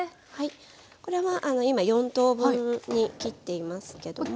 これは今四等分に切っていますけども。